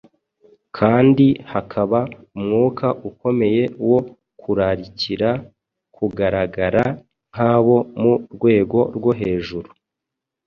kandi hakaba umwuka ukomeye wo kurarikira kugaragara nk’abo mu rwego rwo hejuru;